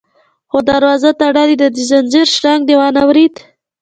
_خو دروازه تړلې ده، د ځنځير شرنګ دې وانه ورېد؟